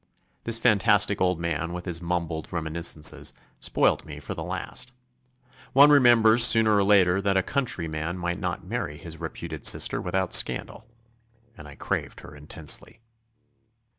This fantastic old man with his mumbled reminiscences spoilt me for the last. One remembers sooner or later that a county man may not marry his reputed sister without scandal. And I craved her intensely.